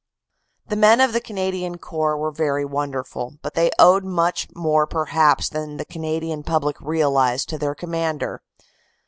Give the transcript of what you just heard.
The men of the Canadian Corps were very wonderful, but they owed much more perhaps than the Canadian public realize to their Commander.